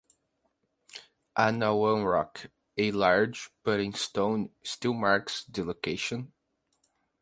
Anawan Rock, a large puddingstone, still marks the location.